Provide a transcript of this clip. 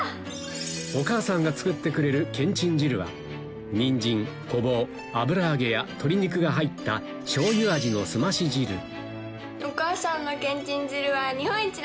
お母さんが作ってくれるけんちん汁はニンジンゴボウ油揚げや鶏肉が入ったお母さんのけんちん汁は。